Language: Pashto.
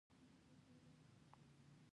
سلګونه عمر خوړلي کسان پکې اوسيږي.